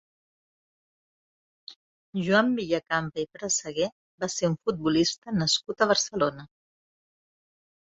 Joan Villacampa i Presegué va ser un futbolista nascut a Barcelona.